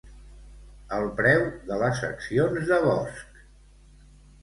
El preu de les accions de Bosch.